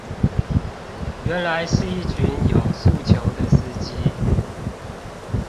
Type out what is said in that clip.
原來是一群有訴求的司機